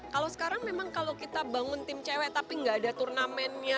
kalau sekarang memang kalau kita bangun tim cewek tapi nggak ada turnamennya